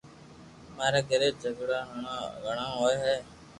ماري گھري جھگڙا گڻا ھوئي ھي